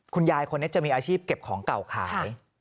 คุณยายคนนี้จะมีอาชีพเก็บของเก่าขาย